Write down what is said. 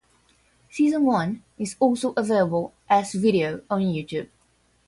Season One is also available as video on YouTube.